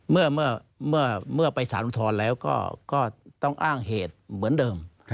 เมื่อไปสารอุทธรณ์แล้วก็ต้องอ้างเหตุเหมือนเดิม